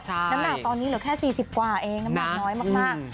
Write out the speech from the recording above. น้ำหนักตอนนี้เหลือแค่๔๐กว่าเองน้ำหนักน้อยมาก